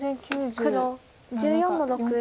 黒１４の六。